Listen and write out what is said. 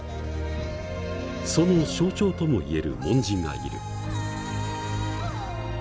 その象徴とも言える門人がいる。